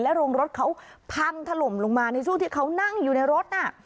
และโรงรถเธอพังถล่มลงมาจริงที่เขานั่งอยู่ในรถน่ะ